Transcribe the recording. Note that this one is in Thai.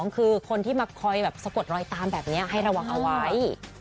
คือคนที่มาคอยแบบสะกดรอยตามแบบนี้ให้ระวังเอาไว้